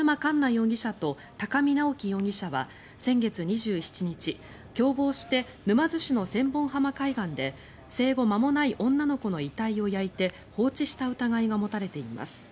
容疑者と高見直輝容疑者は先月２７日共謀して沼津市の千本浜海岸で生後間もない女の子の遺体を焼いて放置した疑いが持たれています。